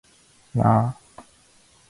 なあ